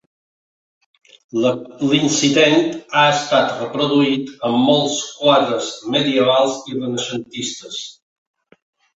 L'incident ha estat reproduït en molts quadres medievals i renaixentistes.